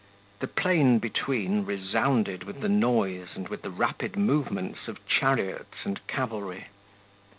The plain between resounded with the noise and with the rapid movements of chariots and cavalry.